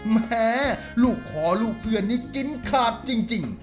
แม่ลูกขอลูกเพื่อนนี้กินขาดจริง